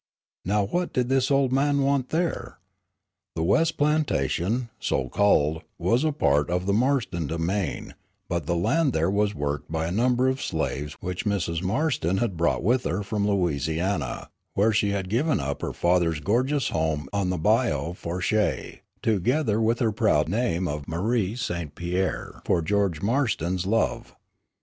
Now what did this old man want there? The west plantation, so called, was a part of the Marston domain, but the land there was worked by a number of slaves which Mrs. Marston had brought with her from Louisiana, where she had given up her father's gorgeous home on the Bayou Lafourche, together with her proud name of Marie St. Pierre for George Marston's love.